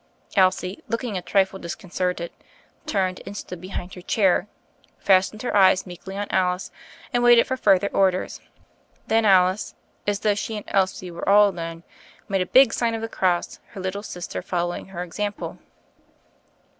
Elsie, looking a trifle disconcerted, turned and stood behind her' chair, fastened her eyes meekly on Alice and waited for further orders. Then Alice, as though she and Elsie were all alone, made a big sign of the cross, her little sister following her example.